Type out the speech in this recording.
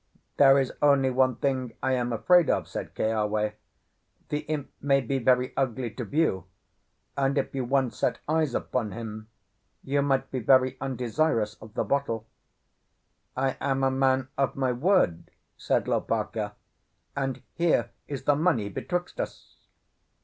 "There is only one thing I am afraid of," said Keawe. "The imp may be very ugly to view; and if you once set eyes upon him you might be very undesirous of the bottle." "I am a man of my word," said Lopaka. "And here is the money betwixt us."